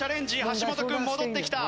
橋本君戻ってきた。